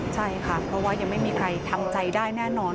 ใช่ค่ะเพราะว่ายังไม่มีใครทำใจได้แน่นอน